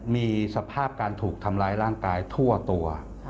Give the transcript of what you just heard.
มีสภาพการถูกทำร้ายร่างกายทั่วตัว